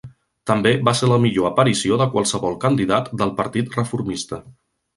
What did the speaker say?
També va ser la millor aparició de qualsevol candidat del partit reformista.